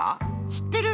しってる。